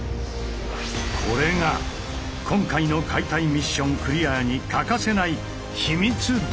これが今回の解体ミッションクリアに欠かせない秘密道具。